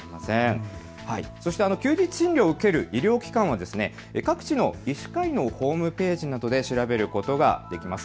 休日診療を受ける医療機関は各地の医師会のホームページなどで調べることができます。